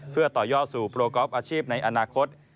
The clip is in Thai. เพื่อต่อยอดสู่โปรกอล์อาชีพในอนาคต